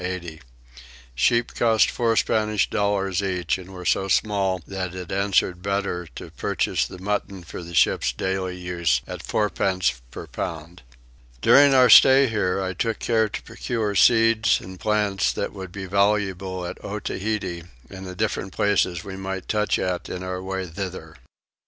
Sheep cost four Spanish dollars each and were so small that it answered better to purchase the mutton for the ship's daily use at fourpence per pound. During our stay here I took care to procure seeds and plants that would be valuable at Otaheite and the different places we might touch at in our way thither.